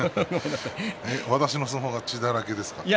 私の相撲は血だらけですか？